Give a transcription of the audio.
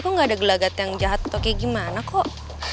kok gak ada gelagat yang jahat atau kayak gimana kok